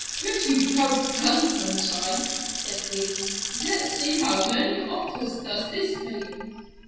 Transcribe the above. "Pretty well done, Sunshine," said he. "Let's see, how many offers does this make?